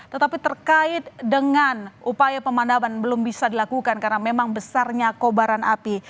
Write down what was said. tetapi terkait dengan upaya pemadaman belum bisa dilakukan karena memang besarnya kobaran api